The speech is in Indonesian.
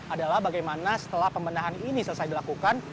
adalah bagaimana setelah pembenahan ini selesai dilakukan